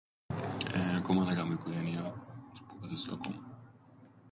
Ακόμα να κάμω οικογένειαν. Σπουδάζω ακόμα.